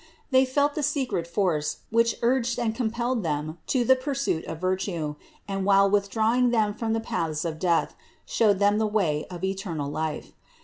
They felt a secret force, which urged and com pelled them to the pursuit of virtue and, while withdraw ing them from the paths of death, showed them the way of eternal life.